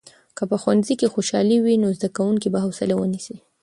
که په ښوونځي کې خوشالي وي، نو زده کوونکي به حوصلې ونیسي.